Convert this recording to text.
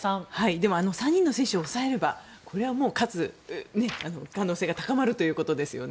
でもあの３人の選手を抑えればこれは勝つ可能性が高まるということですよね。